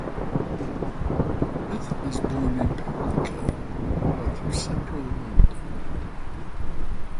Smith was born in Pimlico, part of central London.